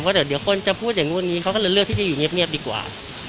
เดี๋ยวคนจะพูดอย่างนู้นอย่างนี้เขาก็เลยเลือกที่จะอยู่เงียบดีกว่า